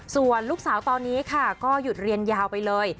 ส่วนลูกสาวตอนนี้ค่ะก็หยุดเรียนยาวไปเลย